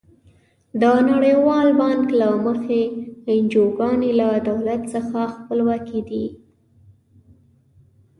د نړیوال بانک له مخې انجوګانې له دولت څخه خپلواکې دي.